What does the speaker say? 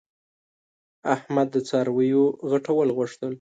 احمد د څارویو غټول غوښتل.